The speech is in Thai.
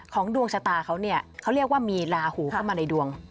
ของดวงชาตาเขาเรียกว่ามีราหูเข้ามาในดวง